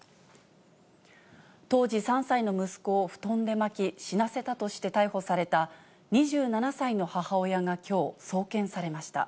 当時３歳の息子を布団で巻き、死なせたとして逮捕された、２７歳の母親がきょう、送検されました。